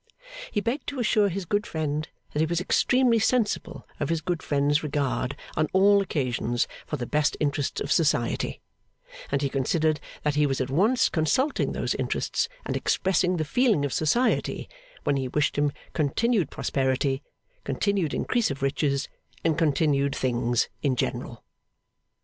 He begged to assure his good friend that he was extremely sensible of his good friend's regard on all occasions for the best interests of Society; and he considered that he was at once consulting those interests and expressing the feeling of Society, when he wished him continued prosperity, continued increase of riches, and continued things in general.